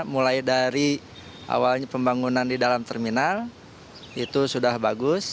mulai dari awalnya pembangunan di dalam terminal itu sudah bagus